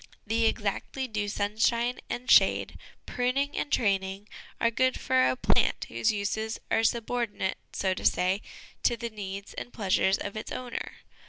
The exactly due sunshine and shade, pruning and training, are good for a plant whose uses are sub ordinate, so to say, to the needs and pleasures of its owner.